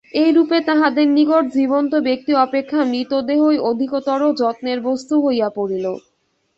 এইরূপে তাহাদের নিকট জীবন্ত ব্যক্তি অপেক্ষা মৃতদেহই অধিকতর যত্নের বস্তু হইয়া পড়িল।